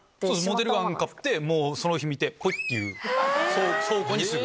モデルガン買ってその日見てポイ！っていう倉庫にすぐ。